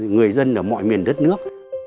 người dân ở mọi miền đất nước